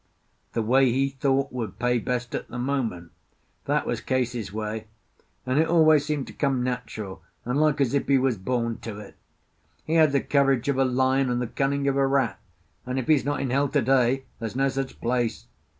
The way he thought would pay best at the moment, that was Case's way, and it always seemed to come natural, and like as if he was born to it. He had the courage of a lion and the cunning of a rat; and if he's not in hell to day, there's no such place.